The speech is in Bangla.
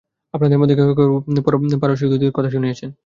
আপনাদের মধ্যে কেহ কেহ পারসীকদের কথা শুনিয়াছেন।